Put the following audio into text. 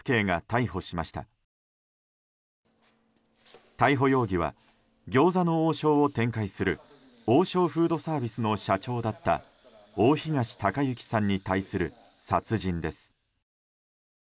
逮捕容疑は餃子の王将を展開する王将フードサービスの社長だった大東隆行さんに対する殺人です。